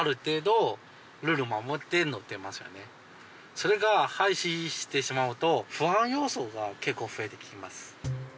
それが廃止してしまうと不安要素が結構増えてきます。